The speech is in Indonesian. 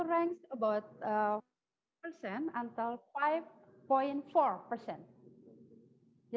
hari ini saya tidak bisa menulisnya